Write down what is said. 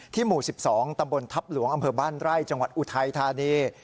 หมู่๑๒ตำบลทัพหลวงอำเภอบ้านไร่จังหวัดอุทัยธานี